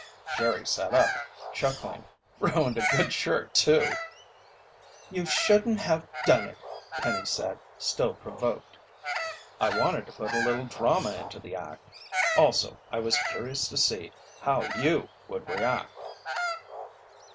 Jerry sat up, chuckling. "Ruined a good shirt too!" "You shouldn't have done it," Penny said, still provoked. "I wanted to put a little drama into the act. Also, I was curious to see how you would react."